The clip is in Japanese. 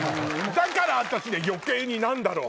だから私余計に何だろう。